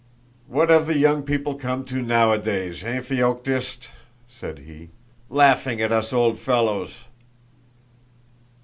"What have the young people come to nowadays, eh, Feoktíst?" said he. "Laughing at us old fellows!"